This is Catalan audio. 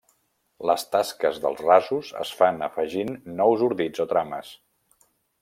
Les tasques dels rasos es fan afegint nous ordits o trames.